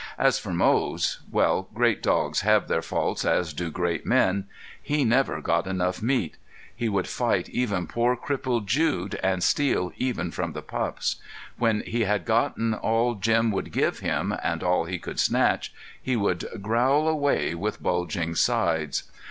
As for Moze well, great dogs have their faults as do great men he never got enough meat; he would fight even poor crippled Jude, and steal even from the pups; when he had gotten all Jim would give him, and all he could snatch, he would growl away with bulging sides.